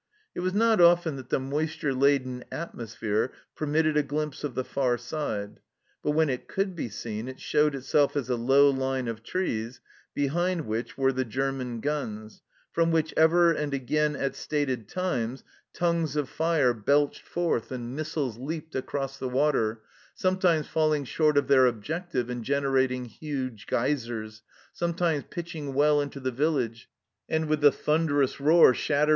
It was not often that the moisture laden atmosphere permitted a glimpse of the far side, but when it could be seen it showed itself as a low line of trees, behind which were the German guns, from which ever and again at stated times tongues of fire belched forth and THE CELLAR HOUSE 127 missiles leaped across the water, sometimes falling short of their objective and generating huge geysers, sometimes pitching well into the village, and with a thunderous roar shatter!